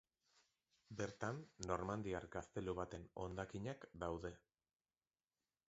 Bertan normandiar gaztelu baten hondakinak daude.